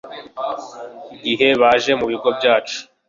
igihe baje mu bigo byacu